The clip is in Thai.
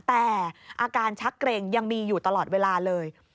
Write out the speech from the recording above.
แต่อาการชักเกรงยังมีอยู่ตลอดเวลาเลย